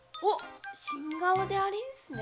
新顔でありんすね？